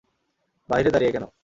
বাহিরে দাঁড়িয়ে কেন?